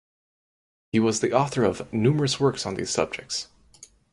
He was the author of numerous works on these subjects.